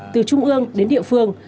từ trung ương đến địa phương